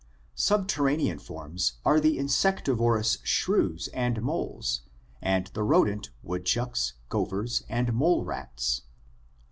Subterranean forms are the insectivorous shrews and moles and the rodent woodchucks, gophers, and mole rats (Balhyergus).